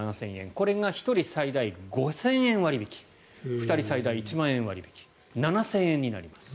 これが１人最大５０００円割引２人最大１万円割引７０００円になります。